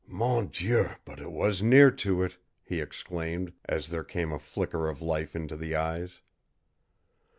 "Mon Dieu, but it was near to it!" he exclaimed, as there came a flicker of life into the eyes.